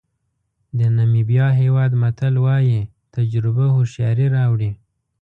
د نیمبیا هېواد متل وایي تجربه هوښیاري راوړي.